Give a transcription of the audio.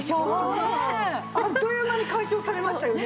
あっという間に解消されましたよね。